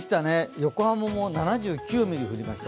横浜も７９ミリ降りました。